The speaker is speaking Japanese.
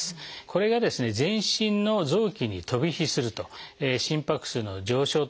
これが全身の臓器に飛び火すると心拍数の上昇とかですね